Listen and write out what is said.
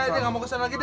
nggak mau kesana lagi dah